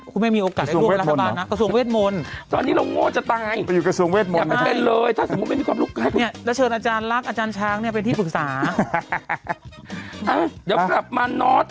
คุณไม่มีโอกาสให้ร่วมในรัฐบาลอ๋อ